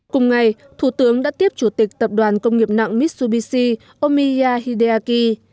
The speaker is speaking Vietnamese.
cùng ngày thủ tướng đã tiếp chủ tịch tập đoàn công nghiệp nặng mitsubishi omiya hideaki